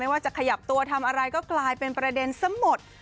ว่าจะขยับตัวทำอะไรก็กลายเป็นประเด็นซะหมด